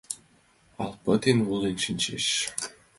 Ал пытен волен шинчеш